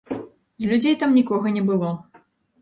З людзей там нікога не было.